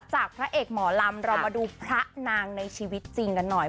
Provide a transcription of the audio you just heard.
พระเอกหมอลำเรามาดูพระนางในชีวิตจริงกันหน่อย